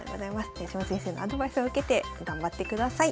豊島先生のアドバイスを受けて頑張ってください。